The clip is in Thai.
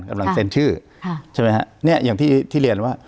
กำลังเซ็นชื่อค่ะใช่ไหมฮะเนี่ยอย่างที่ที่เรียนว่า